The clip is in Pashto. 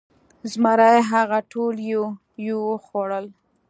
زمري هغه ټول یو یو وخوړل.